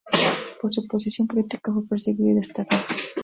Por su posición política fue perseguido y desterrado.